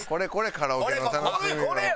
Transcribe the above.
カラオケの楽しみは。